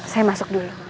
saya masuk dulu